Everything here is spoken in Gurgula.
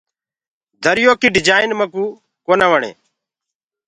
دريو ڪيٚ ڊجآئين ميڪوُ ڪونآ وڻي۔